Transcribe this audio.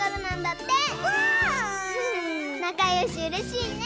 なかよしうれしいね！